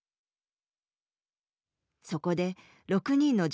そこで６人の女